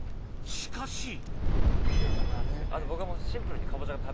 しかし僕はシンプルに。